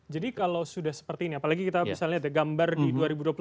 jadi kalau sudah seperti ini apalagi kita misalnya ada gambar di dua ribu dua puluh tiga